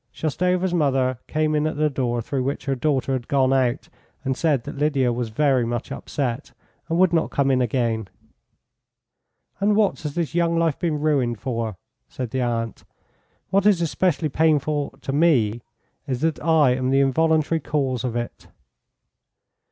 Shoustova's mother came in at the door through which her daughter had gone out, and said that Lydia was very much upset, and would not come in again. "And what has this young life been ruined for?" said the aunt. "What is especially painful to me is that I am the involuntary cause of it."